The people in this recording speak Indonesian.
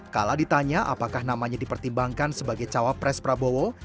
kalau ditanya apakah namanya dipertimbangkan sebagai cawapres prabowo